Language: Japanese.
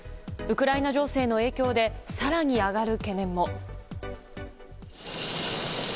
ウクライナ情勢の影響で更に上がる懸念も。